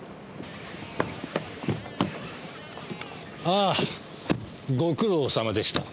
ああご苦労さまでした。